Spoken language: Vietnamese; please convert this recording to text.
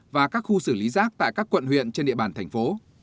và các khu xử lý rác tại các quận huyện trên địa bàn thành phố